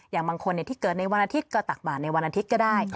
อย่างบางคนที่เกิดในวันอาทิตย์ก็ตักบาดในวันอาทิตย์ก็ได้